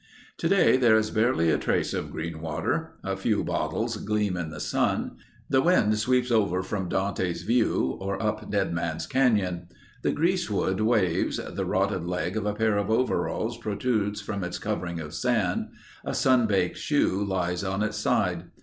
Today there is barely a trace of Greenwater. A few bottles gleam in the sun. The wind sweeps over from Dante's View or up Dead Man's Canyon. The greasewood waves. The rotted leg of a pair of overalls protrudes from its covering of sand. A sunbaked shoe lies on its side.